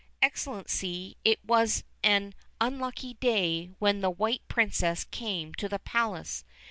Excellency, it was an unlucky day when the white Princess came to the Palace.